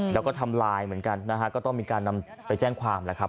แล้วก็ทำลายเหมือนกันนะฮะก็ต้องมีการนำไปแจ้งความแหละครับ